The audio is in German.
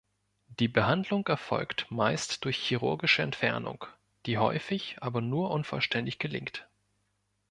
Die Behandlung erfolgt meist durch chirurgische Entfernung, die häufig aber nur unvollständig gelingt.